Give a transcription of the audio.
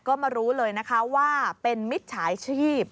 ก็มารู้เลยนะคะว่าเป็นมิจฉาชีพ